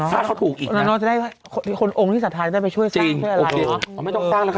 ถ้าเขาถูกอีกน่ะจริงโอเคอ๋อไม่ต้องสร้างแล้วค่ะ